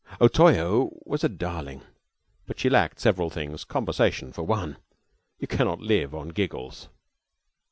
O Toyo was a darling, but she lacked several things conversation for one. You cannot live on giggles.